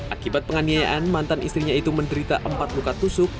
akibat penganiayaan mantan istrinya itu menderita empat luka tusuk